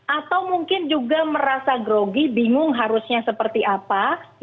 atau mungkin juga merasa grogi bingung harusnya seperti apa